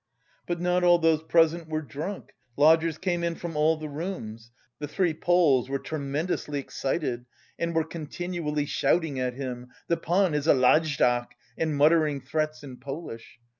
But not all those present were drunk; lodgers came in from all the rooms. The three Poles were tremendously excited and were continually shouting at him: "The pan is a lajdak!" and muttering threats in Polish.